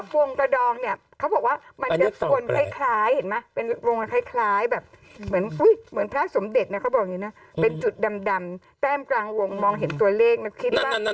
วงกระดองเนี่ยเขาบอกว่ามันจะชวนคล้ายเห็นไหมเป็นวงคล้ายแบบเหมือนพระสมเด็จนะเขาบอกอย่างนี้นะเป็นจุดดำแต้มกลางวงมองเห็นตัวเลขนะคิดว่า